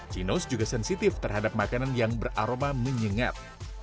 jinos juga sensitif terhadap makanan yang beraroma menyengat